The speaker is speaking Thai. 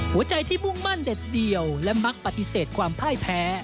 หัวใจที่มุ่งมั่นเด็ดเดี่ยวและมักปฏิเสธความพ่ายแพ้